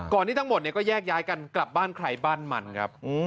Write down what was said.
ที่ทั้งหมดเนี่ยก็แยกย้ายกันกลับบ้านใครบ้านมันครับ